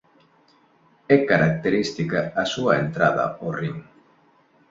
É característica a súa entrada ó ring.